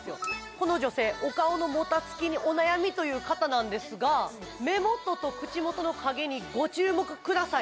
この女性お顔のもたつきにお悩みという方なんですが目元と口元の影にご注目ください